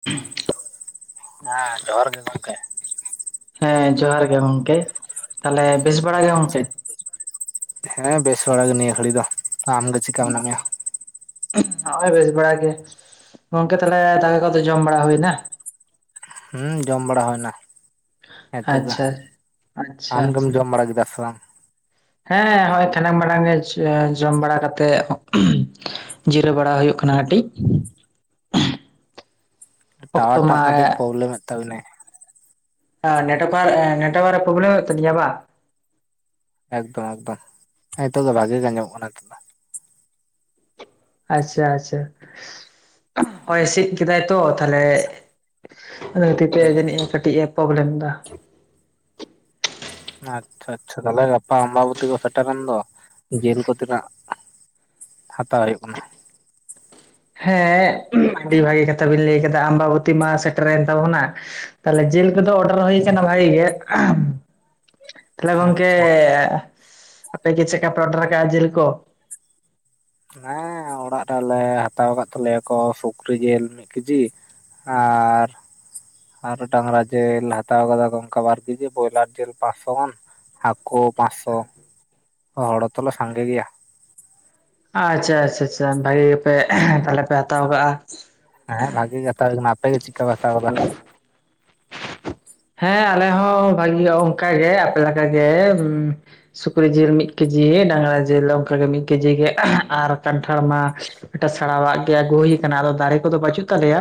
[inaudible] ᱦᱮᱸ ᱡᱚᱦᱟᱨ ᱜᱮ ᱜᱚᱝᱠᱮ ᱦᱮᱸ ᱡᱚᱦᱟᱨ ᱜᱮ ᱜᱚᱢᱠᱮ᱾ ᱪᱮᱛ ᱦᱮᱸ ᱵᱮᱥ ᱵᱟᱲᱟᱜᱮ ᱱᱤᱭᱟᱹ ᱜᱷᱟᱹᱲᱤ ᱫᱚ ᱟᱢ ᱜᱮ? ᱩᱭᱟ᱾ ᱱᱚᱜ ᱚᱭ ᱵᱮᱥ ᱵᱟᱲᱟ ᱜᱮ ᱜᱚᱝᱠᱮ ᱛᱟᱦᱚᱞᱮ ᱫᱟᱠᱟ ᱠᱚᱫᱚ ᱡᱚᱢ ᱵᱟᱲᱟ ᱦᱩᱭᱱᱟ᱾ ᱦᱩᱸ ᱡᱚᱢ ᱵᱟᱲᱟ ᱦᱳᱭᱱᱟ ᱾ ᱮᱛ ᱚᱵ ᱟᱪᱪᱷᱟ ᱞᱟᱦᱟ ᱟᱪᱪᱷᱟ ᱟᱢᱜᱢ ᱜᱮᱢ ᱡᱚᱢ ᱵᱟᱲᱟ ᱠᱮᱫᱟ ᱥᱮ ᱵᱟᱝ? ᱦᱮᱸ ᱦᱚᱭ ᱛᱷᱮᱱᱮᱢ ᱢᱟᱨᱟᱝ ᱡᱚ ᱡᱚ ᱡᱚᱢ ᱵᱟᱲᱟ ᱠᱟᱛᱮᱜ [unintelligible] ᱡᱤᱨᱟᱹᱣ ᱵᱟᱲᱟ ᱦᱳᱭᱳᱜ ᱠᱟᱱᱟ ᱠᱟᱹᱴᱤᱡ ᱾ ᱴᱟᱣᱭᱟᱨ ᱚᱠᱛᱚ ᱢᱟ ᱴᱟᱜ ᱠᱟᱹᱴᱤᱡ ᱯᱨᱚᱵᱞᱮᱢ ᱮᱫ ᱛᱟᱵᱤᱱᱟᱭ᱾ ᱦᱮᱸ ᱱᱮᱴᱳᱭᱟᱨᱠᱚ ᱱᱮᱴᱳᱭᱟᱨᱠᱚ ᱯᱨᱚᱵᱞᱮᱢ ᱮᱛ ᱛᱟᱞᱤᱧᱟᱭ ᱵᱟᱝ? ᱮᱠᱫᱚᱢ ᱮᱠᱫᱚᱢ ᱱᱤᱛᱚᱜ ᱫᱚ ᱵᱷᱟᱜᱮ ᱜᱮ ᱟᱡᱚᱢᱚᱜ ᱠᱟᱱᱟ ᱱᱤᱛᱚᱜ ᱫᱚ ᱾ ᱟᱪᱪᱷᱟ ᱟᱪᱪᱷᱟ ᱦᱚᱭ ᱦᱤᱸᱥᱤᱫ ᱠᱮᱫᱟᱭ ᱛᱚ ᱛᱟᱦᱞᱮ ᱾ ᱳᱸ ᱛᱤᱛᱮ ᱡᱟᱹᱱᱤᱡ ᱮ ᱠᱟᱹᱴᱤᱡ ᱮ ᱯᱨᱚᱵᱞᱮᱢ ᱫᱟ ᱾ ᱟᱪᱪᱷᱟ ᱟᱪᱪᱷᱟ ᱛᱟᱦᱞᱮ ᱜᱟᱯᱟ ᱟᱢᱵᱟᱵᱚᱛᱤ ᱠᱚ ᱥᱮᱴᱮᱨᱮᱱ ᱫᱚ ᱡᱮᱞ ᱠᱚ ᱛᱤᱱᱟᱹᱜ? ᱦᱟᱛᱟᱣ ᱦᱳᱭᱳᱜ ᱠᱟᱱᱟ ᱾ ᱦᱮᱸ ᱟᱹᱰᱤ ᱵᱷᱟᱜᱮ ᱠᱟᱛᱷᱟ ᱵᱮᱤᱱ ᱞᱟᱹᱭ ᱠᱟᱫᱟ ᱟᱢᱵᱟᱵᱚᱛᱤ ᱢᱟ ᱥᱮᱴᱮᱨᱮᱱ ᱛᱟᱵᱚᱱᱟ ᱾ ᱛᱟᱦᱞᱮ ᱡᱮᱞ ᱠᱚᱫᱚ ᱚᱰᱟᱨ ᱦᱳᱭ ᱠᱟᱱᱟ ᱵᱷᱟᱜᱮ ᱜᱮ᱾ ᱛᱟᱦᱚᱞᱮ ᱜᱚᱝᱠᱮ ᱟᱪᱪᱷᱟ ᱟᱯᱮ ᱜᱮ ᱪᱮᱠᱟ ᱯᱮ ᱚᱰᱟᱨ ᱠᱟᱜ ᱟ ᱡᱮᱞ ᱠᱚ᱾ ᱦᱮᱸ ᱚᱲᱟᱜ ᱨᱮ ᱟᱞᱮ ᱦᱟᱛᱟᱣ ᱟᱠᱟᱫ ᱛᱟᱞᱮᱭᱟᱠᱚ ᱥᱩᱠᱨᱤ ᱡᱮᱞ ᱢᱤᱫ ᱠᱤᱡᱤ ᱾ ᱟᱨ ᱾ ᱟᱨᱚ ᱰᱟᱝᱨᱟ ᱡᱮᱞ ᱦᱟᱛᱟᱣ ᱠᱟᱫᱟ ᱠᱚ ᱚᱱᱠᱟ ᱵᱟᱨ ᱠᱤᱡᱤ ᱵᱚᱭᱞᱟᱨ ᱡᱮᱞ ᱯᱟᱸᱪᱥᱚ ᱜᱟᱱ᱾ ᱦᱟᱠᱳ ᱯᱟᱸᱪ ᱥᱚ ᱾ ᱚ ᱦᱚᱲ ᱦᱛᱚ ᱞᱮ ᱥᱟᱸᱜᱮ ᱜᱮᱭᱟ ᱾ ᱟᱪᱪᱷᱟ ᱟᱪᱪᱷᱟ ᱵᱷᱟᱜᱮ ᱜᱮᱯᱮ ᱛᱟᱦᱚᱞᱮ ᱯᱮ ᱦᱟᱛᱟᱣ ᱠᱟᱜᱼᱟ᱾ ᱦᱮᱸ ᱵᱷᱟᱜᱤ ᱜᱮ ᱦᱟᱛᱟᱣ ᱦᱳᱭ ᱠᱟᱱᱟ ᱟᱯᱮ ᱜᱮ ᱪᱮᱫ ᱞᱮᱠᱟ ᱯᱮ ᱦᱟᱛᱟᱣ ᱠᱮᱫᱟ? ᱦᱮᱸ ᱟᱞᱮ ᱦᱚᱸ ᱵᱷᱟᱜᱤ ᱚᱱᱠᱟ ᱜᱮ ᱟᱯᱮ ᱞᱮᱠᱟ ᱜᱮᱼᱼ ᱥᱩᱠᱨᱤ ᱡᱤᱞ ᱢᱤᱫ ᱠᱮᱡᱤ ᱰᱟᱝᱨᱟ ᱡᱤᱞ ᱚᱱᱠᱟ ᱜᱮ ᱢᱤᱫ ᱠᱮᱡᱤ ᱜᱮ ᱟᱨ ᱠᱟᱱᱴᱷᱟᱲ ᱢᱟᱼᱼ ᱮᱴᱟ ᱥᱮᱲᱟᱣᱟᱜ ᱜᱮ ᱟᱜᱩ ᱦᱩᱭ ᱟᱠᱟᱱᱟ ᱟᱫᱚ ᱫᱟᱨᱮ ᱠᱚᱫᱚ ᱵᱟᱹᱪᱩᱜ ᱛᱟᱞᱮᱭᱟ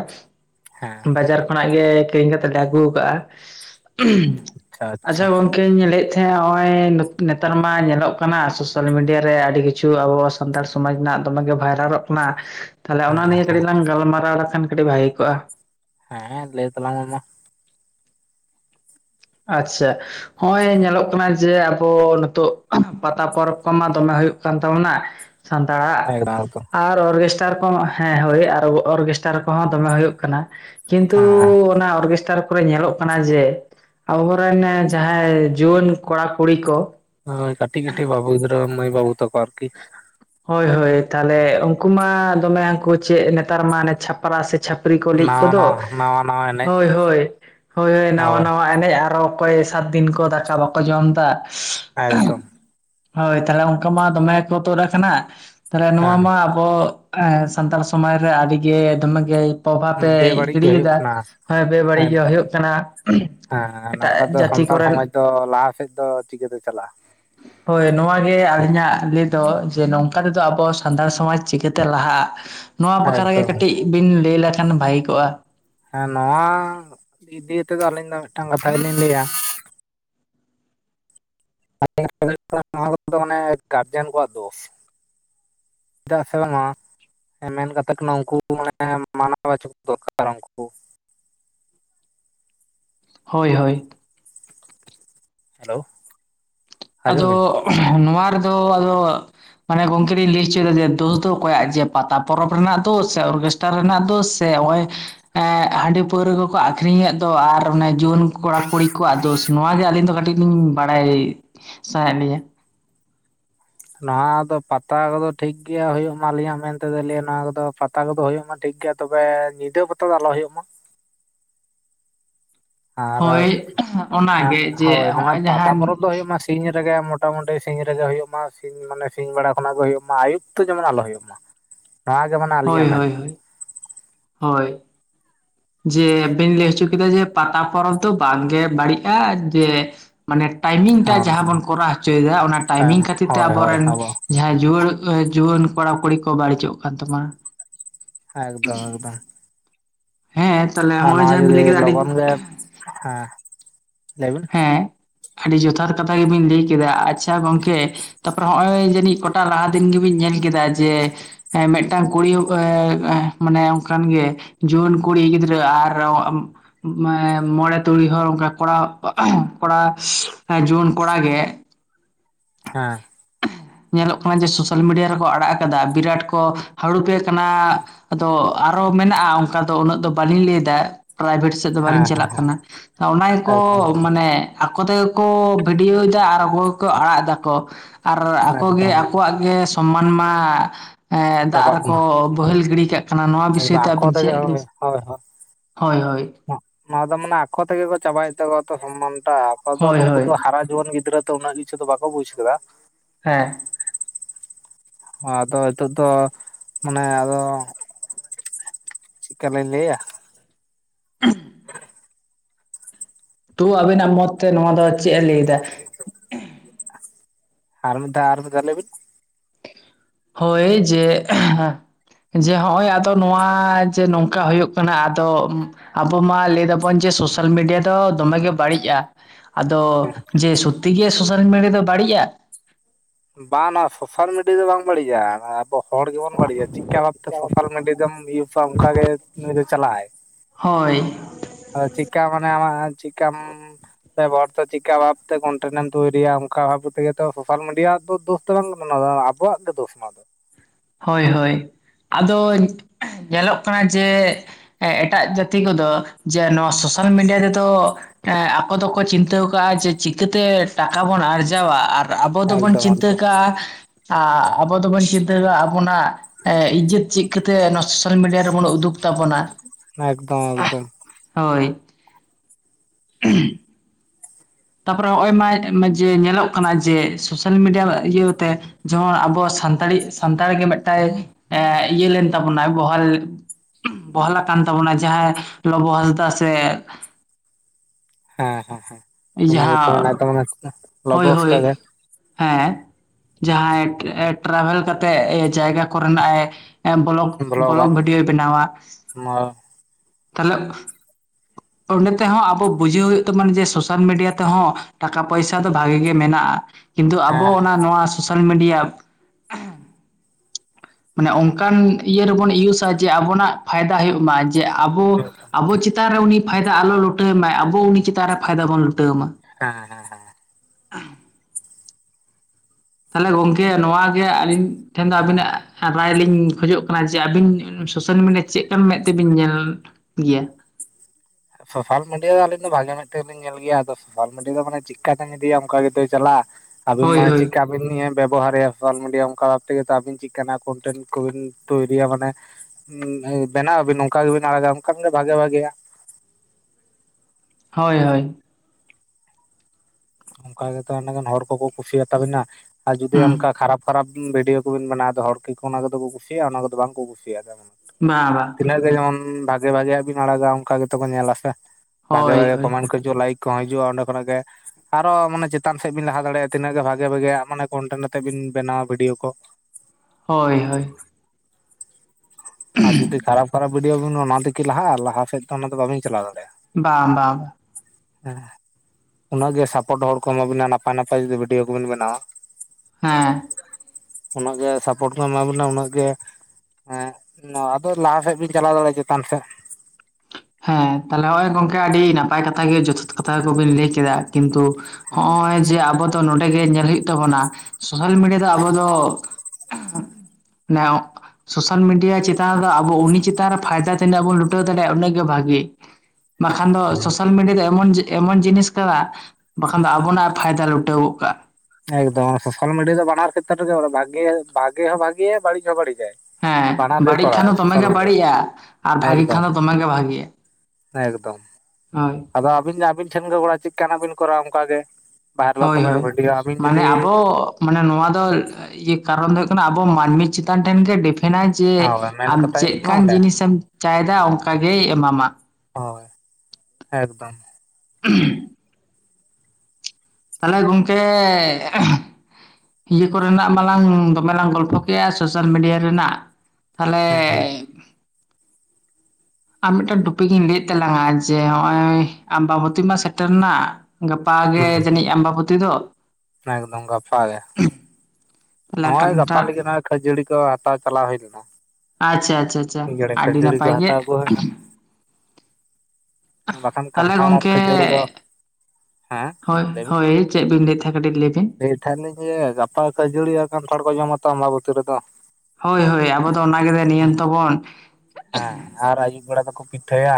ᱦᱮᱸ ᱵᱟᱡᱟᱨ ᱠᱷᱚᱱᱟᱜ ᱜᱮ ᱠᱤᱨᱤᱧ ᱠᱟᱛᱮᱜ ᱞᱮ ᱟᱹᱜᱩ ᱠᱟᱜ-ᱟ ᱟᱪᱪᱷᱟ ᱜᱚᱝᱠᱮᱼᱼ ᱤᱱᱠᱟᱹᱧ ᱞᱟᱹᱭᱮᱫ ᱛᱟᱦᱮᱸᱜ ᱱᱚᱜ-ᱚᱭ ᱱᱮᱛᱟᱨ ᱢᱟ ᱧᱮᱞᱚᱜ ᱠᱟᱱᱟ ᱥᱳᱥᱟᱞ ᱢᱤᱰᱤᱭᱟ ᱨᱮ ᱟᱹᱰᱤ ᱠᱤᱪᱷᱩ ᱟᱵᱚᱼᱼ ᱥᱟᱱᱛᱟᱲ ᱥᱚᱢᱟᱡᱽ ᱨᱮᱱᱟᱜ ᱫᱚᱢᱮ ᱜᱮ ᱵᱷᱟᱭᱨᱟᱞᱚᱜ ᱠᱟᱱᱟ᱾ ᱛᱟᱦᱚᱞᱮ ᱚᱱᱟ ᱱᱤᱭᱮ ᱠᱟᱹᱴᱤᱡ ᱞᱟᱝ ᱜᱟᱞᱢᱟᱨᱟᱣ ᱞᱮᱠᱷᱟᱱ ᱠᱟᱹᱴᱤᱡ ᱵᱷᱟᱜᱮ ᱠᱚᱜᱼᱟ ᱦᱮᱸ ᱞᱟᱹᱭ ᱛᱟᱞᱟᱝ ᱢᱮ ᱢᱟ ᱟᱪᱪᱷᱟ ᱾ ᱦᱚᱸᱜ-ᱚᱭ ᱧᱮᱞᱚᱜ ᱠᱟᱱᱟ ᱡᱮ ᱟᱵᱚ ᱱᱤᱛᱚᱜ ᱯᱟᱛᱟ ᱯᱚᱨᱚᱵᱽ ᱠᱚᱢᱟ ᱫᱚᱢᱮ ᱦᱩᱭᱩᱜ ᱠᱟᱱ ᱛᱟᱵᱚᱱᱟ, ᱥᱟᱱᱛᱟᱲ ᱟᱜ ᱮᱠᱫᱚᱢ ᱮᱠᱫᱚᱢ ᱾ ᱟᱨ ᱚᱨᱜᱮᱥᱴᱟᱨ ᱠᱚᱦᱚᱸ ᱦᱮᱸ ᱦᱳᱭ ᱟᱨ ᱚᱨᱜᱮᱥᱴᱟᱨ ᱠᱚᱦᱚᱸ ᱫᱚᱢᱮ ᱦᱩᱭᱩᱜ ᱠᱟᱱᱟ ᱟ ᱠᱤᱱᱛᱩ ᱦᱮᱸ ᱚᱱᱟ ᱚᱨᱜᱮᱥᱴᱟᱨ ᱠᱚᱨᱮ ᱧᱮᱞᱚᱜ ᱠᱟᱱᱟ ᱡᱮ ᱟᱵᱚ ᱨᱮᱱ ᱡᱟᱦᱟᱸᱭ ᱡᱩᱣᱟᱹᱱ ᱠᱚᱲᱟ ᱠᱩᱲᱤ ᱠᱚ, ᱦᱳᱭ ᱠᱟᱹᱴᱤᱡ ᱠᱟᱹᱴᱤᱡ ᱵᱟᱹᱵᱩ ᱜᱤᱫᱽᱨᱟᱹ ᱢᱟᱹᱭ ᱵᱟᱹᱵᱩ ᱛᱟᱠᱚ ᱟᱨᱠᱤ ᱦᱳᱭ ᱦᱳᱭ ᱛᱟᱦᱚᱞᱮ ᱩᱱᱠᱩ ᱢᱟ ᱫᱚᱢᱮ ᱦᱟᱱᱠᱩ ᱪᱮᱫ ᱱᱮᱛᱟᱨ ᱢᱟ ᱪᱷᱟᱯ ᱯᱨᱟ ᱥᱮ ᱪᱷᱟᱹᱯᱨᱤ ᱠᱚ ᱞᱟᱹᱭ ᱱᱟᱣᱟ ᱠᱚᱫᱚ ᱱᱟᱣᱟ ᱱᱟᱣᱟ ᱱᱟᱣᱟ ᱮᱱᱮᱡ ᱦᱳᱭ ᱦᱳᱭ ᱱᱟᱣᱟ ᱱᱟᱣᱟ ᱮᱱᱮᱡ ᱟᱨᱚ ᱚᱠᱚᱭ ᱥᱟᱛ ᱫᱤᱱ ᱠᱚ ᱫᱟᱠᱟ ᱵᱟᱠᱚ ᱡᱚᱢ ᱮᱫᱟ ᱮᱠᱫᱚᱢ᱾ ᱦᱳᱭ ᱛᱟᱦᱞᱮ ᱚᱱᱠᱟ ᱢᱟ ᱫᱚᱢᱮ ᱠᱚ ᱛᱩᱫ ᱟᱠᱟᱱᱟ ᱛᱟᱦᱟᱞᱮ ᱱᱚᱣᱟ ᱦᱮᱸ ᱢᱟ ᱟᱵᱚ ᱥᱟᱱᱛᱟᱲ ᱥᱚᱢᱟᱡᱽ ᱨᱮ ᱟᱹᱰᱤ ᱜᱮ ᱫᱚᱢᱮᱜ ᱜᱮ ᱯᱨᱚᱵᱷᱟᱵ ᱮ ᱵᱮᱵᱟᱹᱲᱤᱡ ᱜᱮ ᱦᱩᱭᱩᱜ ᱜᱤᱰᱤᱭᱮᱫᱟ ᱠᱟᱱᱟ ᱦᱮ ᱵᱮᱵᱟᱹᱲᱤᱡ ᱜᱮ ᱮᱠᱫᱚᱢ ᱦᱩᱭᱩᱜ ᱠᱟᱱᱟ᱾ ᱦᱮᱸ ᱦᱮᱸ ᱱᱚᱝᱠᱟ ᱮᱴᱟᱜ ᱫᱚ ᱡᱟᱹᱛᱤ ᱥᱟᱱᱛᱟᱲ ᱠᱚᱨᱮᱱ ᱥᱚᱢᱟᱡᱽ ᱫᱚ ᱞᱟᱦᱟ ᱥᱮᱫ ᱫᱚ ᱪᱤᱠᱟᱹ ᱛᱮ ᱪᱟᱞᱟᱜ-ᱟ᱾ ᱦᱳᱭ ᱱᱚᱣᱟ ᱜᱮ ᱟᱹᱞᱤᱧᱟᱜ ᱞᱟᱹᱭ ᱫᱚ ᱡᱮ ᱱᱚᱝᱠᱟ ᱛᱮᱫᱚ ᱟᱵᱚ ᱥᱟᱱᱛᱟᱲ ᱥᱚᱢᱟᱡᱽ ᱪᱤᱠᱟᱹᱛᱮ ᱞᱟᱦᱟᱜ-ᱟ, ᱱᱚᱣᱟ ᱵᱟᱠᱷᱨᱟ ᱜᱮ ᱮᱠᱫᱚᱢ ᱠᱟᱹᱴᱤᱡ ᱵᱤᱱ ᱞᱟᱹᱭ ᱞᱮᱠᱷᱟᱱ ᱵᱷᱟᱹᱜᱤ ᱠᱚᱜ-ᱟ᱾ ᱦᱮᱸ ᱱᱚᱣᱟ ᱤᱫᱤ ᱠᱟᱛᱮ ᱫᱚ ᱟᱹᱞᱤᱧ ᱫᱚ ᱢᱤᱫᱴᱟᱝ ᱠᱟᱛᱷᱟ ᱜᱮᱞᱤᱧ ᱞᱟᱹᱭ ᱟ᱾ [unintelligible] ᱜᱟᱨᱡᱮᱱ ᱠᱚᱣᱟᱜ ᱫᱳᱥ ᱾ ᱪᱮᱫᱟᱜ ᱥᱮ ᱵᱟᱝ ᱢᱟ ᱢᱮᱱ ᱠᱟᱛᱷᱟ ᱩᱱᱠᱩ ᱢᱟᱱᱮ ᱢᱟᱱᱟᱣ ᱵᱟᱪᱚᱠ ᱫᱚᱨᱠᱟᱨ ᱩᱱᱠᱩ᱾ ᱦᱳᱭ ᱦᱳᱭ ᱾ ᱦᱮᱞᱳ, ᱟᱸᱡᱚᱢ ᱟᱫᱚ ᱵᱤᱱ ᱱᱚᱣᱟ ᱨᱮᱫᱚ ᱟᱫᱚ ᱾ ᱢᱟᱱᱮ ᱜᱚᱝᱠᱮ ᱞᱤᱧ ᱞᱟᱹᱭ ᱦᱚᱪᱚᱭ ᱮᱫᱟ ᱡᱮ ᱫᱳᱥ ᱫᱚ ᱚᱠᱚᱭᱟᱜ ᱡᱮ ᱯᱟᱛᱟ ᱯᱚᱨᱚᱵᱽ ᱨᱮᱱᱟᱜ ᱫᱳᱥ ᱥᱮ ᱚᱨᱜᱮᱥᱴ ᱛᱟᱨ ᱨᱮᱱᱟᱜ ᱫᱳᱥ ᱥᱮ ᱱᱚᱜ-ᱚᱭ ᱮ ᱦᱟᱺᱰᱤ ᱯᱟᱹᱣᱨᱟᱹ ᱠᱚᱠᱚ ᱟᱠᱷᱨᱤᱧ ᱮᱫ ᱫᱚ ᱟᱨ ᱚᱱᱮ ᱡᱩᱣᱟᱹᱱ ᱠᱚᱲᱟ ᱠᱩᱲᱤ ᱠᱚᱣᱟᱜ ᱫᱳᱥ ᱱᱚᱣᱟ ᱜᱮ ᱟᱹᱞᱤᱧ ᱫᱚ ᱠᱟᱹᱴᱤᱡ ᱞᱤᱧ ᱵᱟᱲᱟᱭ ᱥᱟᱱᱟᱭᱮᱫ ᱞᱤᱭᱟ᱾ ᱱᱚᱣᱟ ᱫᱚ ᱯᱟᱛᱟ ᱠᱚᱫᱚ ᱴᱷᱤᱠ ᱜᱮᱭᱟ ᱦᱩᱭᱩᱜ ᱢᱟ ᱟᱞᱤᱧᱟᱜ ᱢᱮᱱ ᱛᱮ ᱫᱚ ᱞᱟᱹᱭ ᱱᱚᱣᱟ ᱠᱚᱫᱚ ᱯᱟᱛᱟ ᱠᱚᱫᱚ ᱦᱩᱭᱩᱜ ᱢᱟ ᱴᱷᱤᱠ ᱜᱮᱭᱟ ᱛᱚᱵᱮ ᱧᱤᱫᱟᱹ ᱯᱟᱛᱟ ᱫᱚ ᱟᱞᱚ ᱦᱩᱭᱩᱜ ᱢᱟ ᱾ ᱟᱨ ᱦᱳᱭ ᱟᱸᱜ ᱚᱱᱟᱜᱮ ᱡᱮ ᱦᱳᱭ ᱢᱟᱱᱮ ᱦᱚᱜᱼᱚᱭ ᱡᱟᱦᱟᱸ ᱯᱟᱛᱟ ᱯᱚᱨᱚᱵᱽ ᱫᱚ ᱦᱩᱭᱩᱜ ᱢᱟ ᱥᱮ ᱥᱤᱧ ᱨᱮᱜᱮ ᱢᱚᱴᱟᱢᱩᱴᱤ ᱥᱤᱧ ᱨᱮᱜᱮ ᱦᱩᱭᱩᱜ ᱢᱟ ᱥᱤᱧ ᱢᱟᱱᱮ ᱥᱤᱧ ᱵᱮᱲᱟ ᱠᱷᱚᱱᱟᱜ ᱜᱮ ᱦᱩᱭᱩᱜ ᱢᱟ ᱟᱭᱩᱵ ᱛᱮ ᱡᱮᱢᱚᱱ ᱟᱞᱚ ᱦᱩᱭᱩᱜ ᱢᱟ᱾ ᱱᱚᱣᱟ ᱜᱮ ᱢᱮᱱᱟ ᱦᱳᱭ ᱟᱹᱞᱤᱧᱟᱜ ᱢᱮᱱ ᱦᱳᱭ ᱫᱚ᱾ ᱦᱳᱭ ᱦᱳᱭ, ᱡᱮ ᱵᱮᱱ ᱞᱟᱹᱭ ᱦᱚᱪᱚ ᱠᱮᱫᱟ ᱡᱮ ᱯᱟᱛᱟ ᱯᱚᱨᱚᱵᱽ ᱫᱚ ᱵᱟᱝ ᱜᱮ ᱵᱟᱹᱲᱤᱡ ᱟ ᱡᱮ ᱢᱟᱱᱮ ᱴᱟᱭᱢᱤᱝ ᱴᱟᱜ ᱦᱚᱸ ᱡᱟᱦᱟᱸ ᱦᱚᱸ ᱵᱚᱱ ᱠᱚᱨᱟᱣ ᱦᱚᱪᱚᱭ ᱮᱫᱟ ᱚᱱᱟ ᱴᱟᱭᱤᱢ ᱴᱟᱭᱢᱤᱝ ᱠᱷᱟᱹᱛᱤᱨ ᱛᱮ ᱦᱳᱭ ᱦᱳᱭ ᱟᱵᱚᱨᱮᱱ ᱟᱵᱚ ᱡᱟᱦᱟᱸᱭ ᱡᱩᱣᱟᱹᱲ ᱡᱩᱣᱟᱹᱱ ᱠᱚᱲᱟ ᱠᱩᱲᱤ ᱠᱚ ᱵᱟᱹᱲᱤᱡᱚᱜ ᱠᱟᱱ ᱛᱟᱵᱚᱱᱟ ᱾ ᱮᱠᱫᱚᱢ ᱮᱠᱫᱚᱢ, ᱦᱮᱸ ᱛᱟᱦᱚᱞᱮ ᱟᱨ ᱦᱚᱸᱜᱼᱚᱭ ᱱᱚᱣᱟ ᱡᱟᱦᱟᱸ ᱵᱤᱱ ᱡᱩᱫᱤ ᱞᱟᱹᱭ ᱠᱮᱫᱟ ᱟᱹᱰᱤ ᱞᱚᱜᱚᱱ ᱜᱮ, ᱦᱮᱸ ᱞᱟᱹᱭ ᱵᱤᱱ? ᱦᱮᱸ ᱟᱹᱰᱤ ᱡᱚᱛᱷᱟᱛ ᱠᱟᱛᱷᱟ ᱜᱮᱵᱤᱱ ᱞᱟᱹᱭ ᱠᱮᱫᱟ, ᱟᱪᱪᱷᱟ ᱜᱚᱝᱠᱮ ᱛᱟᱯᱚᱨᱮ ᱱᱚᱜᱼᱚᱭ ᱡᱟᱹᱱᱤᱡ ᱠᱚᱴᱟ ᱞᱟᱦᱟ ᱫᱤᱱ ᱜᱮᱵᱤᱱ ᱧᱮᱞ ᱠᱮᱫᱟ ᱡᱮ ᱦᱮᱸ ᱢᱤᱫᱴᱟᱝ ᱠᱩᱲᱤ ᱮᱸ ᱢᱟᱱᱮ ᱚᱱᱠᱟᱱ ᱜᱮᱭᱟᱭ ᱡᱩᱣᱟᱹᱱ ᱠᱩᱲᱤ ᱜᱤᱫᱽᱨᱟᱹ ᱟᱨ ᱢᱚᱬᱮ ᱛᱩᱨᱩᱭ ᱦᱚᱲ ᱚᱱᱠᱟ ᱠᱚᱲᱟ ᱠᱚᱲᱟᱠᱥ ᱡᱩᱣᱟᱹᱱ ᱠᱚᱲᱟ ᱜᱮ ᱦᱟᱸ ᱧᱮᱞᱚᱜ ᱠᱟᱱᱟ ᱡᱮ ᱥᱳᱥᱟᱞ ᱢᱤᱰᱤᱭᱟ ᱨᱮᱠᱚ ᱟᱲᱟᱜ ᱠᱟᱫᱟ ᱵᱤᱨᱟᱴ ᱠᱚ ᱦᱟᱹᱲᱩᱯᱮ ᱠᱟᱱᱟ ᱾ ᱟᱫᱚ ᱟᱨᱚ ᱢᱮᱱᱟᱜᱼᱟ ᱚᱱᱠᱟ ᱫᱚ ᱩᱱᱟᱹᱜ ᱫᱚ ᱵᱟᱹᱞᱤᱧ ᱞᱟᱹᱭᱮᱫᱟ ᱯᱨᱟᱭᱵᱷᱮᱴᱼᱼ ᱥᱮᱫ ᱫᱚ ᱵᱟᱞᱤᱧ ᱦᱮᱸ ᱪᱟᱞᱟᱜ ᱠᱟᱱᱟ, ᱚᱱᱟ ᱜᱮ ᱦᱮᱸ ᱮᱠᱫᱚᱢ ᱠᱚ ᱢᱟᱱᱮᱼᱼ ᱟᱠᱚ ᱛᱮᱜᱮ ᱠᱚ ᱵᱷᱤᱰᱭᱣᱮᱫᱟ ᱟᱨ ᱟᱠᱚ ᱜᱮᱠᱚ ᱟᱲᱟᱜ ᱫᱟᱠᱚᱼᱼ ᱟᱨ ᱟᱠᱚᱜᱮ ᱮᱠᱫᱚᱢ ᱮᱠᱫᱚᱢ ᱟᱠᱚᱣᱟᱜ ᱜᱮ ᱥᱚᱢᱢᱟᱱ ᱢᱟᱼᱼ ᱫᱟᱜ ᱪᱟᱵᱟᱜ ᱨᱮᱠᱚ ᱠᱟᱱᱟ ᱵᱟᱹᱦᱮᱞ ᱜᱤᱰᱤ ᱠᱟᱜᱼᱼ ᱠᱟᱱᱟ ᱾ ᱱᱚᱣᱟ ᱵᱤᱥᱚᱭ ᱮᱠᱫᱚᱢ ᱛᱮ ᱟᱠᱚ ᱟᱹᱵᱤᱱ ᱛᱮᱜᱮ ᱪᱮᱫ ᱦᱳᱭ ᱞᱤᱢᱥ ᱦᱳᱭ ᱦᱳᱭ ᱦᱳᱭ ᱦᱳᱭ ᱱᱚᱣᱟ ᱫᱚ ᱢᱟᱱᱮ ᱟᱠᱚ ᱛᱮᱜᱮ ᱠᱚ ᱪᱟᱵᱟᱭᱮᱫ ᱛᱟᱠᱚᱣᱟ ᱛᱚ ᱥᱚᱢᱢᱟᱱᱟ ᱴᱟᱠ, ᱟᱠᱚ ᱫᱚ ᱦᱳᱭ ᱱᱩᱠᱩ ᱦᱳᱭ ᱫᱚ ᱦᱟᱨᱟ ᱡᱩᱣᱟᱹᱱ ᱜᱤᱫᱽᱨᱟᱹ ᱾ ᱛᱚ ᱩᱱᱟᱹᱜ ᱠᱤᱪᱷᱩ ᱫᱚ ᱵᱟᱠᱚ ᱵᱩᱡᱽ ᱟᱠᱟᱫᱟ ᱾ ᱦᱮᱸ ᱦᱚᱸ ᱫᱚ ᱱᱤᱛᱚᱜ ᱫᱚ ᱢᱟᱱᱮ ᱟᱫᱚᱼᱼ ᱪᱮᱫᱠᱟ ᱞᱤᱧ ᱞᱟᱹᱭᱟ ᱛᱚ ᱟᱵᱤᱱᱟᱜ ᱢᱚᱛ ᱛᱮ ᱱᱚᱣᱟ ᱫᱚ ᱪᱮᱫ ᱮ ᱞᱟᱹᱭ ᱮᱫᱟ ᱾ ᱟᱨ ᱢᱤᱫᱟᱣ ᱟᱨ ᱢᱤᱫᱟᱣ ᱞᱟᱹᱭ ᱵᱤᱱ ᱾ ᱦᱚᱭ ᱡᱮᱼᱼ ᱡᱮ ᱦᱚᱜᱼᱚᱭ ᱟᱫᱚ ᱱᱚᱣᱟ ᱡᱮ ᱱᱚᱝᱠᱟ ᱦᱩᱭᱩᱜ ᱠᱟᱱᱟ ᱟᱫᱚᱼᱼ ᱟᱵᱚ ᱢᱟ ᱞᱟᱹᱭ ᱫᱟᱵᱚᱱ ᱡᱮ ᱥᱳᱥᱟᱞ ᱢᱤᱰᱤᱭᱟ ᱫᱚ ᱫᱚᱢᱮᱜ ᱜᱮ ᱵᱟᱹᱲᱤᱡᱼᱟᱼᱼ ᱟᱫᱚ ᱡᱮ ᱥᱚᱛᱛᱤ ᱜᱮ ᱥᱳᱥᱟᱞ ᱢᱤᱰᱤᱭᱟ ᱫᱚ ᱵᱟᱹᱲᱤᱡᱼᱟ ᱾ ᱵᱟᱝ ᱱᱚᱭᱟ ᱥᱳᱥᱟᱞ ᱢᱤᱰᱤᱭᱟ ᱫᱚ ᱵᱟᱝ ᱵᱟᱹᱲᱤᱡᱼᱟ ᱟᱵᱚᱼᱼ ᱦᱚᱲ ᱜᱮᱵᱚᱱ ᱵᱟᱹᱲᱤᱡᱟ, ᱪᱤᱠᱮᱠᱟ ᱵᱷᱟᱵᱛᱮ ᱥᱳᱥᱟᱞ ᱢᱤᱰᱤᱭᱟ ᱫᱚᱢ ᱤᱭᱩᱡᱟ ᱚᱱᱠᱟᱜ ᱜᱮ ᱱᱩᱭ ᱫᱚᱭ ᱪᱟᱞᱟᱜᱟᱭ ᱾ ᱦᱚᱭ ᱦᱳ ᱪᱮᱫᱠᱟ ᱢᱟᱱᱮ ᱟᱢᱟᱜ ᱪᱮᱫᱠᱟᱢᱼᱼ ᱦᱚᱲ ᱛᱮ ᱪᱤᱠᱟ ᱵᱷᱟᱵᱛᱮ ᱠᱚᱱᱴᱮᱱ ᱮᱢ ᱛᱳᱨᱤᱭᱟ ᱚᱱᱠᱟ ᱵᱷᱟᱵ ᱛᱮᱜᱮ ᱛᱚ ᱥᱳᱥᱟᱞ ᱢᱤᱰᱤᱭᱟ ᱫᱚᱛᱚ ᱫᱩᱼᱼ ᱛᱚ ᱵᱟᱝ ᱚᱱᱟ‌ᱫᱚ ᱟᱵᱚᱣᱟᱜ ᱜᱮ ᱫᱳᱥ ᱚᱱᱟ ᱫᱚ ᱾ ᱦᱳᱭ ᱦᱳᱭ ᱟᱫᱚ ᱧᱮᱞᱚᱜ ᱠᱟᱱᱟ ᱡᱮ ᱮᱴᱟᱜ ᱡᱟᱹᱛᱤ ᱠᱚᱫᱚᱼᱼ ᱡᱮ ᱱᱚᱣᱟ ᱥᱳᱥᱟᱞ ᱢᱤᱰᱤᱭᱟ ᱨᱮᱫᱚᱼᱼ ᱟᱠᱚ ᱫᱚᱠᱚ ᱪᱤᱱᱛᱟᱹ ᱟᱠᱟᱟᱜᱼᱟ ᱡᱮ ᱪᱤᱠᱟᱹᱛᱮ ᱴᱟᱠᱟ ᱵᱚᱱ ᱟᱨᱡᱟ ᱟᱨᱡᱟᱣᱟ, ᱟᱨ ᱟᱵᱚ ᱫᱚᱵᱚᱱ ᱮᱠᱫᱚᱢ ᱪᱤᱱᱛᱟᱹ ᱮᱠᱫᱚᱢ ᱠᱟᱜᱼᱟ ᱟᱵᱚ ᱫᱚᱵᱚᱱ ᱪᱤᱱᱛᱟᱹ ᱠᱟᱜᱼᱟ ᱟᱵᱚᱱᱟᱜ ᱤᱡᱽᱡᱚᱛ ᱪᱤᱠᱟᱹᱛᱮ ᱱᱚᱣᱟ ᱥᱳᱥᱟᱞ ᱢᱤᱰᱤᱭᱟ ᱨᱮᱵᱚᱱ ᱩᱫᱩᱜᱽ ᱛᱟᱵᱚᱱᱟ ᱾ ᱮᱠᱫᱚᱢ ᱮᱠᱫᱚᱢ ᱦᱳᱭ ᱦᱮᱸ [unintelligible] ᱛᱟᱯᱚᱨᱮ ᱱᱚᱜᱼᱚᱭ ᱢᱟ ᱡᱮ ᱧᱮᱞᱚᱜ ᱠᱟᱱᱟ ᱡᱮ ᱥᱳᱥᱟᱞ ᱢᱤᱰᱤᱭᱟ ᱤᱭᱟᱹᱛᱮᱼᱼ ᱡᱮᱢᱚᱱ ᱟᱵᱚ ᱥᱟᱱᱛᱟᱲᱤ ᱥᱟᱱᱛᱟᱲ ᱜᱮ ᱢᱤᱫᱴᱟᱭᱼᱼ ᱮ ᱤᱭᱟᱹ ᱞᱮᱱ ᱛᱟᱵᱚᱱᱟᱭ ᱵᱚᱦᱟᱞᱼᱼ ᱵᱚᱦᱚᱞᱟ ᱠᱟᱱ ᱛᱟᱵᱚᱱᱟ ᱡᱟᱦᱟᱸᱭ ᱞᱚᱵᱚ ᱦᱟᱸᱥᱫᱟ ᱥᱮᱼᱼ ᱦᱮᱸ ᱦᱮᱸ ᱦᱮᱸ ᱩᱱᱤ ᱜᱮ ᱛᱚ ᱢᱮᱱᱟᱭ ᱡᱟᱦᱟᱸ ᱛᱟᱵᱚᱱᱟ ᱱᱤᱛᱚᱜ ᱫᱚ ᱾ ᱦᱳᱭ ᱞᱚᱵᱚᱥᱛᱟ ᱦᱳᱭ ᱦᱮᱸ ᱡᱟᱦᱟᱸᱭ ᱴᱨᱟᱵᱷᱮᱞ ᱠᱟᱛᱮᱜ ᱡᱟᱭᱜᱟ ᱠᱚᱨᱮᱱᱟᱜᱼᱮ ᱮ ᱵᱞᱚᱠ ᱵᱞᱚᱠ ᱵᱷᱞᱚᱜᱟᱨ ᱵᱷᱤᱰᱭᱳ ᱵᱮᱱᱟᱣᱟ, ᱦᱮᱸ ᱮᱠᱫᱚᱢ ᱛᱟᱦᱞᱩᱼᱼ ᱚᱸᱰᱮ ᱛᱮᱦᱚᱸ ᱟᱵᱚ ᱵᱩᱡᱷᱟᱹᱣ ᱦᱩᱭᱩᱜ ᱛᱟᱵᱚᱱᱟ ᱡᱮ ᱥᱳᱥᱟᱞ ᱢᱤᱰᱤᱭᱟ ᱛᱮᱦᱚᱸ ᱴᱟᱠᱟ ᱯᱚᱭᱥᱟ ᱫᱚ ᱵᱷᱟᱜᱮ ᱜᱮ ᱢᱮᱱᱟᱜᱼᱟ ᱾ ᱠᱤᱱᱛᱩ ᱟᱵᱚ ᱚᱱᱟ ᱦᱮᱸ ᱱᱚᱣᱟ ᱥᱳᱥᱟᱞ ᱢᱤᱰᱤᱭᱟᱼᱼ ᱢᱟᱱᱮ ᱚᱱᱠᱟᱱ ᱤᱭᱟᱹ ᱨᱮᱵᱚᱱ ᱤᱭᱩᱡᱟ ᱡᱮ ᱟᱵᱚᱱᱟᱜ ᱯᱷᱟᱭᱫᱟ ᱦᱩᱭᱩᱜ ᱢᱟᱼᱼ ᱡᱮ ᱟᱵᱚ ᱟᱵᱚ ᱪᱮᱛᱟᱱ ᱨᱮ ᱩᱱᱤ ᱯᱷᱟᱭᱫᱟ ᱟᱞᱚ ᱞᱩᱴᱟᱹᱣ ᱢᱟᱭ, ᱟᱵᱚ ᱩᱱᱤ ᱪᱮᱛᱟᱱ ᱨᱮ ᱯᱷᱟᱭᱫᱟ ᱵᱚᱱ ᱞᱩᱴᱟᱹᱣ ᱢᱟ ᱾ ᱦᱮᱸ ᱦᱮᱸ ᱦᱮᱸ [unintelligible] ᱛᱟᱦᱚᱞᱮ ᱜᱚᱝᱠᱮ ᱱᱚᱣᱟ ᱜᱮ ᱟᱹᱞᱤᱧ ᱴᱷᱮᱱ ᱫᱚ ᱟᱹᱵᱤᱱᱟᱜ ᱨᱟᱭ ᱞᱤᱧ ᱠᱷᱚᱡᱚᱜ ᱠᱟᱱᱟ ᱡᱮ ᱟᱹᱵᱤᱱ ᱥᱳᱥᱟᱞ ᱢᱤᱰᱤᱭᱟ ᱪᱮᱫᱠᱟᱱ ᱢᱮᱫ ᱛᱮᱵᱤᱱ ᱧᱮᱞ ᱜᱮᱭᱟ? ᱥᱳᱥᱟᱞ ᱢᱤᱰᱤᱭᱟ ᱫᱚ ᱟᱹᱞᱤᱧ ᱫᱚ ᱵᱷᱟᱜᱮ ᱢᱤᱫᱴᱮᱱ ᱞᱤᱧ ᱧᱮᱞ ᱜᱮᱭᱟ ᱟᱫᱚ ᱥᱳᱥᱟᱞ ᱢᱤᱰᱤᱭᱟ ᱫᱚ ᱢᱟᱱᱮ ᱪᱮᱠᱟᱛᱮᱢ ᱤᱫᱤᱭᱟ ᱚᱱᱠᱟ ᱜᱮᱛᱚᱭ ᱪᱟᱞᱟᱜᱼᱟ᱾ ᱟᱵᱤᱱ ᱦᱳᱭ ᱢᱟ ᱦᱳᱭ ᱪᱮᱫᱠᱟ ᱱᱤᱱ ᱵᱮᱵᱚᱦᱟᱨᱮᱭᱟ ᱥᱚᱥᱟᱞ ᱢᱰᱤᱭᱟ ᱛᱮᱜᱮ ᱛᱚ ᱟᱵᱤᱱ ᱪᱮᱫ ᱠᱟᱱᱟᱜ ᱠᱚᱱᱴᱮᱱᱴ ᱠᱚᱵᱤᱱ ᱛᱳᱭᱨᱤᱭᱟ ᱢᱟᱱᱮ ᱦ ᱵᱮᱱᱟᱣ ᱟᱵᱤᱱ ᱚᱱᱠᱟ ᱜᱮᱵᱤᱱ ᱟᱲᱟᱜᱟ ᱚᱱᱠᱟᱱ ᱜᱮ ᱵᱷᱟᱜᱤ ᱵᱷᱟᱜᱮᱭᱟᱜ ᱦᱳᱭ ᱦᱳᱭ ᱚᱱᱠᱟ ᱜᱮᱛᱚ ᱚᱱᱟ ᱜᱟᱱ ᱦᱚᱲ ᱠᱚᱠᱚ ᱠᱩᱥᱤᱭᱟᱛᱟᱵᱤᱱᱟ ᱟᱨ ᱡᱩᱫᱤ ᱦᱩᱸ ᱚᱱᱠᱟ ᱠᱷᱟᱨᱟᱯ ᱠᱷᱟᱨᱟᱯ ᱵᱷᱤᱰᱭᱳ ᱠᱚᱵᱮᱱ ᱵᱮᱱᱟᱣ ᱟᱫᱚ ᱦᱚᱲᱠᱤ ᱠᱚ ᱚᱱᱟ ᱠᱚᱫᱚ ᱠᱚ ᱠᱩᱥᱤᱭᱟᱜᱼᱟ ᱚᱱᱟ ᱠᱚᱫᱚ ᱵᱟᱝ ᱠᱩᱥᱤᱭᱟᱜᱼᱟ ᱡᱮᱢᱚᱱ ᱵᱟᱝ ᱵᱟᱝ ᱜᱮ ᱡᱮᱢᱚᱱ ᱵᱷᱟᱜᱮ ᱵᱷᱟᱜᱮᱭᱟᱜ ᱵᱤᱱ ᱟᱲᱟᱜᱟ ᱚᱱᱠᱟ ᱜᱮᱛᱚ ᱠᱚ ᱧᱮᱞᱟᱥᱮ ᱵᱷᱟᱜᱮ ᱦᱳᱭ ᱵᱷᱟᱜᱮ ᱦᱳᱭ ᱠᱚᱢᱮᱱᱴ ᱠᱚ ᱦᱤᱡᱩᱜ ᱞᱟᱭᱤᱠ ᱠᱚ ᱦᱤᱡᱩᱜᱼᱟ ᱚᱸᱰᱮ ᱠᱷᱚᱱᱟᱜ ᱜᱮ᱾ ᱟᱨᱚ ᱢᱟᱱᱮ ᱪᱮᱛᱟᱱ ᱥᱮᱫ ᱵᱤᱱ ᱞᱟᱦᱟ ᱫᱟᱲᱮᱭᱟᱜᱼᱟ ᱛᱤᱱᱟᱹᱜ ᱜᱮ ᱵᱷᱟᱜᱮ ᱵᱷᱟᱜᱮᱭᱟᱜ ᱢᱟᱱᱮ ᱠᱚᱱᱴᱮᱱᱴ ᱟᱛᱮᱜ ᱵᱤᱱ ᱵᱮᱱᱟᱣᱟ ᱵᱷᱤᱰᱭᱳ ᱠᱚ᱾ ᱦᱳᱭ ᱦᱳᱭ᱾ ᱟᱨ ᱡᱩᱫᱤ ᱠᱷᱟᱨᱟᱵ ᱠᱷᱟᱨᱟᱵ ᱵᱷᱤᱰᱭᱳ ᱵᱮᱱ ᱵᱮᱱᱟᱣᱟ ᱟᱱᱟᱛᱤᱠᱤ ᱞᱟᱦᱟᱜᱼᱟ ᱞᱟᱦᱟ ᱥᱮᱫ ᱫᱚ ᱚᱱᱟ ᱫᱚ ᱵᱟᱵᱮᱱ ᱪᱟᱞᱟᱣ ᱫᱟᱲᱮᱭᱟᱜᱼᱟ᱾ ᱵᱟᱝ ᱵᱟᱝ᱾ ᱦᱮᱸ ᱩᱱᱟᱹᱜ ᱜᱮ ᱥᱟᱯᱳᱚᱴ ᱦᱚᱲ ᱠᱚ ᱮᱢᱟ ᱵᱤᱱᱟ ᱱᱟᱯᱟᱭ ᱱᱟᱯᱟᱭ ᱡᱩᱫᱤ ᱵᱷᱤᱰᱭᱳ ᱠᱚᱵᱤᱱ ᱵᱮᱱᱟᱣᱟ᱾ ᱦᱮᱸ ᱩᱱᱟᱹᱜ ᱜᱮ ᱥᱟᱯᱳᱨᱴ ᱠᱚ ᱮᱢᱟ ᱵᱮᱤᱱᱟ ᱩᱱᱟᱹᱜ ᱜᱮ ᱦᱮᱸ ᱟᱫᱚ ᱞᱟᱦᱟ ᱥᱮᱫ ᱵᱤᱱ ᱪᱟᱞᱟᱣ ᱫᱟᱲᱮᱭᱟᱜᱼᱟ ᱪᱮᱛᱟᱱ ᱥᱮᱫ᱾ ᱦᱮᱸ ᱛᱟᱦᱞᱮ ᱱᱚᱜᱼᱚᱭ ᱜᱚᱝᱠᱮ ᱟᱹᱰᱤ ᱱᱟᱯᱟᱭ ᱠᱟᱛᱷᱟ ᱜᱮ ᱡᱚᱛᱷᱟᱛ ᱠᱟᱛᱷᱟ ᱠᱚᱵᱤᱱ ᱞᱟᱹᱭ ᱠᱮᱫᱟ ᱠᱤᱱᱛᱩ ᱦᱚᱸᱜ ᱚᱭ- ᱡᱮ ᱟᱵᱚ ᱫᱚ ᱱᱚᱰᱮ ᱜᱮ ᱧᱮᱞ ᱦᱩᱭᱩᱜ ᱛᱟᱵᱚᱱᱟ ᱥᱳᱥᱟᱞ ᱢᱤᱰᱤᱭᱟ ᱫᱚ ᱟᱵᱚ ᱫᱚ ᱥᱳᱥᱟᱞ ᱢᱤᱰᱤᱭᱟ ᱪᱮᱛᱟᱱ ᱨᱮ ᱫᱚ ᱟᱵᱚ ᱩᱱᱤ ᱪᱮᱛᱟᱱ ᱨᱮ ᱯᱷᱟᱭᱫᱟ ᱛᱤᱱᱟᱹᱜ ᱵᱚᱱ ᱞᱩᱴᱟᱹᱣ ᱫᱟᱲᱮᱭᱟᱜᱼᱟ ᱩᱱᱟᱹᱜ ᱜᱮ ᱵᱷᱟᱜᱤ ᱵᱟᱝᱠᱷᱟᱱ ᱫᱚ ᱥᱳᱥᱟᱞ ᱢᱤᱰᱤᱭᱟ ᱫᱚ ᱮᱢᱚᱱ ᱡᱮ ᱮᱢᱚᱱ ᱡᱤᱱᱤᱥ ᱠᱟᱱᱟ ᱵᱟᱠᱷᱟᱱ ᱫᱚ ᱟᱵᱚᱱᱟᱜ ᱟᱨ ᱯᱷᱟᱭᱫᱟ ᱞᱩᱴᱟᱹᱣ ᱜᱚᱜ ᱠᱟᱜᱼᱟ᱾ ᱮᱠᱫᱚᱢ ᱥᱳᱥᱟᱞ ᱢᱤᱰᱤᱭᱟ ᱫᱚ ᱵᱟᱱᱟᱨ ᱠᱷᱮᱛᱨᱮ ᱨᱮᱜᱮ ᱵᱷᱟᱜᱮ ᱵᱷᱟᱜᱤ ᱦᱚᱸ ᱵᱷᱟᱜᱤᱭᱟ ᱵᱟᱹᱲᱤᱡ ᱦᱚᱸ ᱵᱟᱹᱲᱤᱡᱟᱭ᱾ ᱦᱮᱸ ᱵᱟᱱᱟᱨ ᱜᱮ ᱵᱟᱹᱲᱤᱡ ᱠᱷᱟᱱ ᱠᱚᱨᱟᱣᱟᱭ ᱫᱚ ᱥᱳᱥᱟᱞ ᱫᱚᱢᱮᱜᱮ ᱢᱤᱰᱤᱭᱟ ᱵᱟᱹᱲᱤᱡᱼᱟ ᱟᱨ ᱵᱷᱟᱹᱜᱤ ᱠᱷᱟᱱ ᱮᱠᱫᱚᱢ ᱫᱚᱢᱮᱜᱮ ᱵᱷᱟᱜᱤᱼᱟ᱾ ᱮᱠᱫᱚᱢ ᱟᱫᱚ ᱟᱹᱵᱤᱱ ᱟᱹᱵᱤᱱ ᱴᱷᱮᱱ ᱜᱮ ᱜᱚᱲᱟ ᱪᱮᱫᱠᱟᱱᱟᱜ ᱵᱤᱱ ᱠᱚᱨᱟᱣᱟ ᱚᱱᱠᱟᱜ ᱜᱮ [unintelligible] ᱦᱳᱭ ᱦᱳᱭ ᱵᱷᱤᱰᱤᱣᱚ ᱟᱵᱤᱱ ᱢᱟᱱᱮ ᱡᱩᱫᱤ ᱟᱵᱚ ᱢᱟᱱᱮ ᱱᱚᱣᱟ ᱫᱚ ᱤᱭᱟᱹ ᱠᱟᱨᱚᱱ ᱫᱚ ᱦᱩᱭᱩᱜ ᱠᱟᱱᱟ ᱟᱵᱚ ᱢᱟᱹᱱᱢᱤ ᱪᱮᱛᱟᱱ ᱴᱷᱮᱱ ᱜᱮ ᱰᱤᱯᱷᱮᱱᱟᱭ ᱡᱮ ᱦᱳᱭ ᱢᱮᱱ ᱟᱢ ᱠᱟᱛᱷᱟ ᱦᱩᱭᱩᱜ ᱠᱟᱱᱟ ᱪᱮᱫᱠᱟᱱ ᱚᱸᱰᱮ ᱡᱤᱱᱤᱥ ᱮᱢ ᱪᱟᱭᱮᱫᱟ ᱚᱱᱠᱟ ᱜᱤ ᱮᱢᱟᱢᱟ᱾ ᱦᱳᱭ ᱮᱠᱫᱚᱢ᱾ ᱛᱟᱦᱚᱞᱮ ᱜᱚᱝᱠᱮ [unintelligible] ᱤᱭᱟᱹ ᱠᱚᱨᱮᱱᱟᱜ ᱢᱟᱞᱟᱝ ᱫᱚᱢᱮ ᱞᱟᱝ ᱜᱚᱞᱯᱚ ᱠᱮᱫᱼᱟ ᱥᱳᱥᱟᱞ ᱢᱤᱰᱤᱭᱟ ᱨᱮᱱᱟᱜ ᱛᱟᱦᱚᱞᱮ, ᱦᱩᱸ ᱟᱢ ᱢᱤᱫᱴᱮᱱ ᱴᱚᱯᱤᱠ ᱤᱧ ᱞᱟᱹᱭᱮᱫ ᱛᱟᱞᱟᱝᱟ ᱡᱮ ᱱᱚᱜ ᱚᱭ ᱟᱢᱵᱟᱵᱚᱛᱤ ᱢᱟ ᱥᱮᱴᱮᱨᱱᱟ ᱜᱟᱯᱟ ᱜᱮ ᱦᱩᱸ ᱡᱟᱹᱱᱤᱡ ᱟᱢᱵᱟᱯᱚᱛᱤ ᱫᱚ, ᱮᱠᱫᱚᱢ ᱜᱟᱯᱟ ᱜᱮ ᱾ ᱛᱟᱦᱚᱞᱮ ᱱᱚᱜ ᱚᱭ ᱜᱟᱯᱟ ᱠᱟᱱᱴᱷᱟᱲ ᱞᱟᱹᱜᱤᱫ ᱱᱚᱜ ᱚᱭ ᱠᱷᱟᱹᱡᱟᱹᱲᱤ ᱠᱚ ᱦᱟᱛᱟᱣ ᱪᱟᱞᱟᱣ ᱦᱩᱭ ᱞᱮᱱᱟ᱾ ᱟᱪᱪᱷᱟ ᱟᱪᱪᱷᱟ ᱟᱪᱪᱷᱟ ᱜᱮᱲᱮ ᱟᱹᱰᱤ ᱠᱷᱟᱹᱡᱟᱹᱲᱤ ᱠᱚ ᱱᱟᱯᱟᱭ ᱜᱮ ᱦᱟᱛᱟᱣ ᱟᱜᱩ ᱦᱩᱭᱱᱟ᱾ ᱵᱟᱠᱷᱟᱱ ᱛᱟᱦᱚᱞᱮ ᱠᱟᱱᱴᱷᱟᱲ ᱟᱨ ᱜᱚᱝᱠᱮ, ᱠᱷᱟᱹᱡᱟᱹᱲᱤ ᱫᱚ ᱦᱮᱸ ᱦᱳᱭ ᱦᱳᱭ ᱪᱮᱫ ᱵᱤᱱ ᱞᱟᱹᱭᱮᱫ ᱛᱟᱦᱮᱸᱱᱟ ᱠᱟᱹᱴᱤᱡ ᱞᱟᱹᱭ ᱵᱤᱱ? ᱞᱟᱹᱭ ᱮᱫ ᱛᱟᱦᱮᱱ ᱞᱤᱧ ᱡᱮ ᱜᱟᱯᱟ ᱠᱷᱟᱹᱡᱟᱹᱲᱤ ᱟᱠᱟᱱ ᱛᱷᱟᱚᱲ ᱠᱚ ᱡᱚᱢᱟ ᱛᱚ ᱟ ᱢᱟᱵᱟᱹᱛᱤ ᱨᱮᱫᱚ᱾ ᱦᱳᱭ ᱦᱳᱭ ᱟᱵᱚ ᱫᱚ ᱚᱱᱟᱜᱮ ᱱᱤᱭᱟᱹᱢ ᱛᱚᱵᱚᱱ ᱾ ᱦᱮᱸ ᱟᱨ ᱟᱭᱩᱵ ᱵᱮᱲᱟ ᱫᱚᱠᱚ ᱯᱤᱴᱷᱟᱹᱭᱟ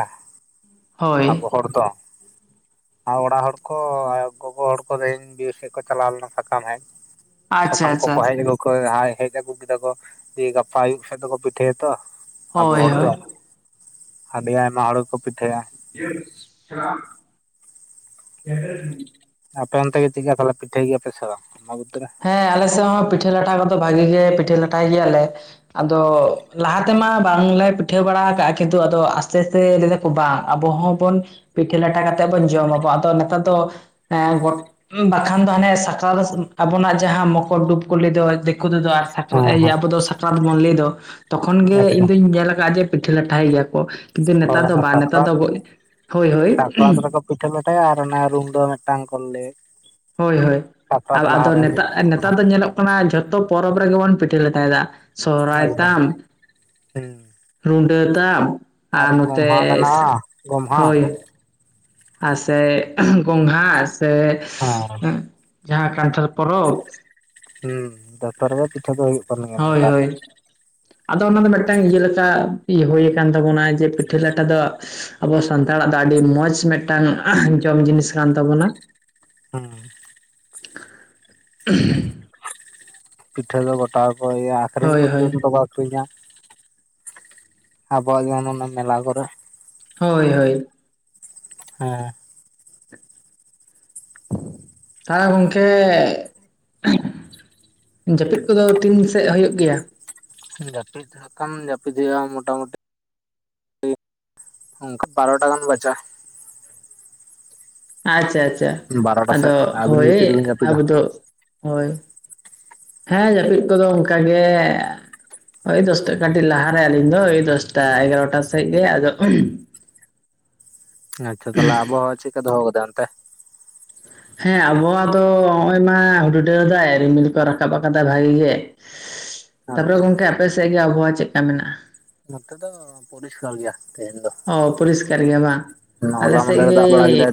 ᱦᱳᱭ ᱟᱵᱚ ᱦᱚᱲ ᱫᱚ ᱾ ᱟᱨ ᱚᱲᱟᱜ ᱦᱚᱲ ᱠᱚ ᱟᱭᱳ ᱜᱚᱜᱚ ᱦᱚᱲ ᱠᱚ ᱛᱮᱦᱮᱧ ᱵᱤᱨ ᱥᱮᱫ ᱠᱚ ᱪᱟᱞᱟᱣ ᱞᱮᱱᱟ ᱥᱟᱠᱟᱢ ᱦᱮᱡ ᱾ ᱟᱪᱪᱷᱟ ᱥᱟᱠᱟᱢ ᱟᱪᱪᱷᱟ ᱠᱚᱠᱚ ᱦᱮᱡ ᱟᱹᱜᱩ ᱠᱚ ᱮ ᱦᱟᱸᱭ ᱦᱮᱡ ᱟᱹᱜᱩ ᱠᱮᱫᱟ ᱠᱚ ᱫᱤᱭᱮ ᱜᱟᱯᱟ ᱟᱭᱩᱵ ᱥᱮᱫ ᱫᱚᱠᱚ ᱯᱤᱴᱷᱟᱹᱭᱟᱛᱚ ᱾ ᱟᱵᱚ ᱦᱳᱭ ᱦᱚᱲ ᱫᱚ ᱦᱳᱭ ᱟᱹᱰᱤ ᱟᱭᱢᱟ ᱦᱚᱲ ᱜᱮᱠᱚ ᱯᱤᱴᱷᱟᱹᱭᱟ ᱾ [unintelligible] ᱟᱯᱮ ᱚᱱᱛᱮ ᱜᱮ ᱪᱤᱠᱠᱟ ᱛᱟᱦᱚᱞᱮ ᱯᱤᱴᱷᱟᱹᱭ ᱜᱮᱭᱟᱯᱮ ᱥᱮ ᱟᱢᱟᱵᱚᱛᱤ ᱨᱮ ᱾ ᱦᱮᱸ ᱟᱞᱮᱥᱮᱜ ᱦᱚᱸ ᱯᱤᱴᱷᱟᱹ ᱞᱟᱴᱷᱟ ᱠᱚᱫᱚ ᱵᱷᱟᱜᱤ ᱜᱮ ᱯᱤᱴᱷᱟᱹ ᱞᱟᱴᱷᱟᱭ ᱜᱮᱭᱟᱞᱮ ᱾ ᱟᱫᱚ ᱞᱟᱦᱟ ᱛᱮᱢᱟ ᱵᱟᱝᱞᱮ ᱯᱤᱴᱷᱟᱹ ᱵᱟᱲᱟ ᱠᱟᱜᱼᱟ ᱠᱤᱱᱛᱩ ᱟᱫᱚ ᱟᱥᱛᱮ ᱟᱥᱛᱮ ᱞᱮᱞᱮᱯ ᱵᱟ ᱟᱵᱚ ᱦᱚᱸᱵᱚᱱ ᱯᱤᱴᱷᱟᱹ ᱞᱟᱴᱟ ᱠᱟᱛᱮᱫ ᱵᱚᱱ ᱡᱚᱢ ᱟᱵᱚ ᱟᱫᱚ ᱱᱮᱛᱟᱨ ᱫᱚ ᱾ ᱮ ᱜᱚᱴ ᱵᱟᱠᱷᱟᱱ ᱫᱚ ᱦᱟᱱᱮ [inaudible] ᱟᱵᱚᱱᱟᱜ ᱡᱟᱦᱟᱸ ᱢᱚᱠᱚᱨ ᱰᱩᱵ ᱠᱚ ᱞᱟᱹᱭ ᱫᱚ ᱫᱮᱠᱳ ᱛᱮᱫᱚ ᱟᱨ ᱦᱮᱸ ᱥᱟᱠᱨᱟ ᱮ ᱤᱭᱟᱹ ᱟᱨ ᱦᱮᱸ ᱟᱵᱚ ᱫᱚ ᱥᱟᱠᱨᱟᱛ ᱵᱚᱱ ᱞᱟᱹᱭ ᱫᱚ ᱾ ᱛᱚᱠᱷᱚᱱ ᱜᱮ ᱤᱧ ᱮᱠᱫᱚᱢ ᱫᱩᱧ ᱧᱮᱞ ᱟᱠᱟᱜᱼᱟ ᱡᱮ ᱯᱤᱴᱷᱟᱹ ᱞᱟᱴᱷᱟᱭ ᱜᱮᱭᱟ ᱠᱚ ᱾ ᱠᱤᱱᱛᱩ ᱦᱳᱭ ᱱᱮᱛᱟᱨ ᱫᱚ ᱚᱱᱟ ᱵᱟ ᱱᱮᱛᱟ ᱥᱟᱠᱨᱟᱛ ᱫᱚ [inaudible] ᱦᱳᱭ ᱦᱳᱭ ᱥᱟᱠᱨᱟᱛ [unintelligible] ᱨᱮᱠᱚ ᱯᱤᱴᱷᱟᱹ ᱵᱟᱛᱟᱭᱟ ᱟᱨ ᱚᱱᱟ ᱨᱩᱢ ᱫᱚ ᱢᱤᱫᱴᱟᱝ ᱠᱚ ᱞᱮ ᱦᱳᱭ ᱦᱳᱭ ᱟᱫᱚ ᱱᱮᱛᱟᱜ ᱱᱮᱛᱟᱨ ᱫᱚ ᱮᱠᱫᱚᱢ ᱧᱮᱞᱚᱜ ᱚᱱᱟ ᱡᱷᱚᱛᱚ ᱯᱚᱨᱚᱵᱽ ᱨᱮᱜᱮ ᱵᱚᱱ ᱯᱤᱴᱷᱟᱹ ᱞᱟᱴᱷᱟᱭᱮᱫᱟ ᱥᱚᱨᱚᱦᱟᱭ ᱛᱟᱢ ᱦᱮᱸ ᱾ ᱨᱩᱰᱟᱹ ᱛᱟᱢ ᱟᱨ ᱜᱚᱢᱦᱟ ᱱᱚᱛᱮᱥ ᱢᱮᱱᱟᱜᱼᱟ ᱜᱚᱢᱦᱟ ᱦᱳᱭ ᱾ ᱟᱥᱮ [unintelligible] ᱜᱚᱝᱜᱷᱟ ᱥᱮ ᱦᱚᱸ᱾ [inaudible] ᱡᱟᱦᱟᱸ ᱠᱟᱱᱴᱷᱟᱨ ᱯᱚᱨᱚᱵᱽ ᱾ ᱦᱚᱸ ᱫᱚᱯᱚᱨᱮᱭᱟ ᱯᱤᱴᱷᱟᱹ ᱫᱚ ᱦᱩᱭᱩᱜ ᱠᱟᱱ ᱜᱮᱭᱟ ᱦᱳᱭ ᱱᱮᱛᱟᱨ ᱫᱚ ᱦᱳᱭ ᱾ ᱟᱫᱚ ᱚᱱᱟ ᱫᱚ ᱢᱤᱫᱴᱟᱝ ᱤᱭᱟᱹ ᱞᱮᱠᱟ ᱤᱭᱟᱹ ᱦᱳᱭ ᱟᱠᱟᱱ ᱛᱟᱵᱚᱱᱟ ᱡᱮ ᱯᱤᱴᱷᱟᱹ ᱞᱟᱴᱷᱟ ᱫᱚ ᱾ [inaudible] ᱟᱵᱚ ᱥᱟᱱᱛᱟᱲᱟᱜ ᱫᱚ ᱟᱹᱰᱤ ᱢᱚᱸᱡᱽ ᱢᱤᱫᱴᱟᱝ [inaudible] ᱡᱚᱢ ᱡᱤᱱᱤᱥ ᱠᱟᱱ ᱛᱟᱵᱚᱱᱟ ᱾ ᱦᱩᱸ [unintelligible] ᱯᱤᱴᱷᱟᱹ ᱫᱚ ᱜᱚᱴᱟ ᱠᱚ ᱤᱭᱟ ᱟᱹᱠᱷᱨᱤᱧ ᱦᱳᱭ ᱦᱳᱭ ᱯᱚᱨᱡᱚᱱᱛᱚ [inaudible] ᱟᱹᱠᱷᱨᱤᱧᱟ [inaudible] ᱟᱵᱚᱣᱟᱜ ᱡᱮᱢᱚᱱ ᱚᱱᱮ ᱢᱮᱞᱟ ᱠᱚᱨᱮ ᱾ ᱦᱳᱭ ᱦᱳᱭ, ᱦᱮᱸᱦᱮᱸ ᱾ ᱛᱟᱦᱮᱻᱜᱚᱝᱠᱮᱻ [inaudible] ᱡᱟᱹᱯᱤᱫ ᱠᱚᱫᱚ ᱛᱤᱱ ᱥᱮᱫ ᱦᱩᱭᱩᱜ ᱜᱮᱭᱟ? ᱡᱟᱹᱯᱤᱫ ᱦᱟᱸᱜ ᱠᱷᱟᱱ ᱡᱟᱹᱯᱤᱫ ᱦᱩᱭᱩᱜᱼᱟ ᱢᱚᱴᱟᱢᱩᱴᱤ ᱚᱝᱠᱟ ᱵᱟᱨᱚᱴᱟ ᱜᱟᱱ ᱵᱟᱡᱟ ᱾ ᱟᱪᱪᱷᱟ ᱟᱪᱪᱷᱟ ᱵᱟᱨᱚᱴᱟ ᱟᱫᱚ ᱥᱮᱫ ᱟᱹᱵᱤᱱ ᱦᱳᱭ ᱜᱮ ᱛᱤᱨᱮᱵᱤᱱ ᱡᱟᱹᱯᱤᱫᱟ ᱟᱵᱚ ᱫᱚ ᱦᱳᱭ ᱾ ᱦᱮᱸ ᱡᱟᱹᱯᱤᱫ ᱠᱚᱫᱚ ᱚᱝᱠᱟ ᱜᱮ ᱾ ᱦᱳᱭ ᱫᱚᱥᱴᱟ ᱠᱟᱹᱴᱤᱡ ᱞᱟᱦᱟᱨᱮ ᱟᱹᱞᱤᱧ ᱫᱚ ᱚᱭ ᱫᱚᱥᱴᱟ ᱮᱜᱟᱨᱚᱴᱟ ᱥᱮᱜ ᱜᱮ ᱟᱫᱚ [inaudible] ᱟᱪᱪᱷᱟ ᱛᱟᱦᱚᱞᱮ ᱟᱵᱚᱦᱟᱣᱟ ᱪᱮᱜᱠᱟ ᱫᱚᱦᱚ ᱠᱟᱫᱟᱭ ᱚᱱᱛᱮ? ᱦᱮᱸ ᱟᱵᱚ ᱦᱟᱣᱟᱫᱚ ᱱᱚᱜᱼᱚᱭ ᱢᱟ ᱦᱩᱰᱦᱩᱰᱟᱹᱣ ᱫᱟᱭ ᱨᱤᱢᱤᱞ ᱠᱚ ᱨᱟᱠᱟᱵ ᱟᱠᱟᱫᱟᱭ ᱵᱷᱟᱜᱤ ᱜᱮ ᱾ [inaudible] ᱛᱟᱯᱚᱨᱮ ᱜᱚᱝᱠᱮ ᱟᱯᱮᱥᱮᱫ ᱜᱮ ᱟᱵᱚᱦᱟᱣᱟ ᱪᱮᱜᱠᱟ ᱢᱮᱱᱟᱜᱼᱟ? ᱱᱚᱛᱮ ᱫᱚ ᱯᱚᱨᱤᱥᱠᱟᱨ ᱜᱮᱭᱟ ᱾ ᱛᱮᱦᱮᱧ ᱫᱚ ᱚ ᱯᱚᱨᱤᱥᱠᱟᱨ ᱜᱮᱭᱟ ᱵᱟᱝ [inaudible] ᱟᱞᱮ ᱦᱚᱞᱟ ᱢᱟᱸᱫᱷᱮᱨ ᱥᱮᱫ ᱜᱮ ᱫᱟᱜ ᱵᱟᱲᱟ ᱠᱮᱫᱟᱭ ᱾